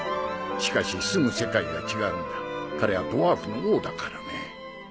しかし住む世界が違うんだ彼はドワーフの王だからね。